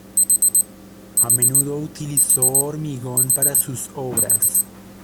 A menudo utilizó hormigón para sus obras.